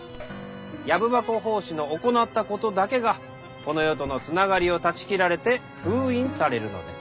藪箱法師の行ったことだけがこの世とのつながりを断ち切られて封印されるのです。